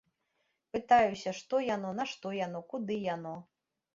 Пытаюся, што яно, нашто яно, куды яно.